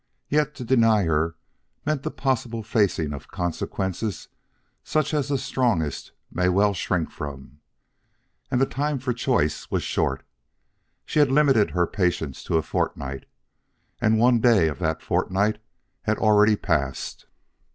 Yet to deny her meant the possible facing of consequences such as the strongest may well shrink from. And the time for choice was short. She had limited her patience to a fortnight, and one day of that fortnight had already passed.